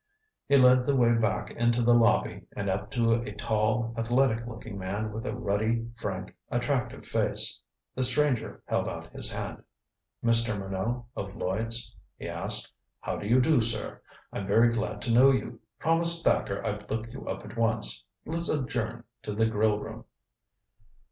He led the way back into the lobby and up to a tall athletic looking man with a ruddy, frank, attractive face. The stranger held out his hand. "Mr. Minot, of Lloyds?" he asked. "How do you do, sir? I'm very glad to know you. Promised Thacker I'd look you up at once. Let's adjourn to the grill room."